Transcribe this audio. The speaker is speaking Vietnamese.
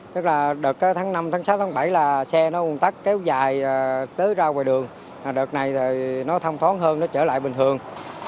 tức là đợt tháng năm tháng sáu tháng bảy là xe nó ồn tắc kéo dài tới ra ngoài đường đợt này thì nó thong thoáng hơn nó trở lại bình thường